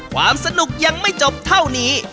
ความสนุกยังไม่จบเท่านี้